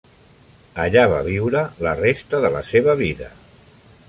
Allà va viure la resta de la seva vida.